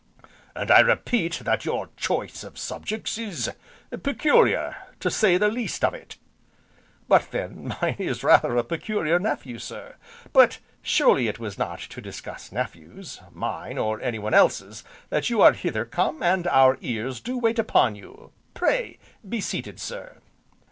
"And I repeat that your choice of subjects is peculiar, to say the least of it." "But then, mine is rather a peculiar nephew, sir. But, surely it was not to discuss nephews, mine or anyone else's, that you are hither come, and our ears do wait upon you, pray be seated, sir."